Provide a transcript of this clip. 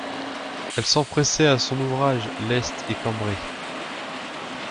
Elle s'empressait à son ouvrage, leste et cambrée.